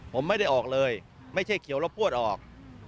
ผมไม่ได้ออกเลยไม่ใช่เขียวแล้วพวดออก